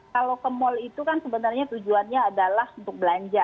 kalau ke mall itu kan sebenarnya tujuannya adalah untuk belanja